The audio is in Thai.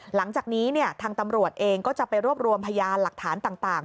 หลังจากนี้ทางตำรวจเองก็จะไปรวบรวมพยานหลักฐานต่าง